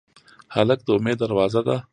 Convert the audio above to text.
هلک د امید دروازه ده.